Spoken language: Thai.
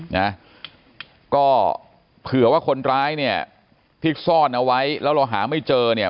นะก็เผื่อว่าคนร้ายเนี่ยที่ซ่อนเอาไว้แล้วเราหาไม่เจอเนี่ย